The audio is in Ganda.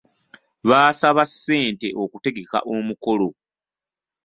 Baasaba ssente okutegeka omukolo.